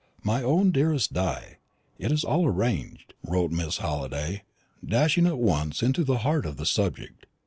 "MY OWN DEAREST DI, It is all arranged," wrote Miss Halliday, dashing at once into the heart of the subject.